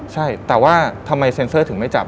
ใช่แต่ว่าทำไมเซ็นเซอร์ถึงไม่จับ